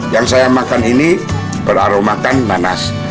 yang saya makan ini beraromakan nanas